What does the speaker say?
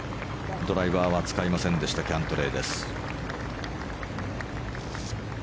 ドライバーは使いませんでしたキャントレーです。